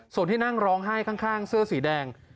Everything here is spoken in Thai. ส่วนที่นั่งร้องไห้ข้างเสื้อสีแดง